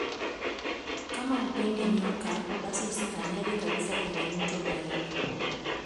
Kama hupendi nyoka basi usikanyage kabisa kwenye mto naili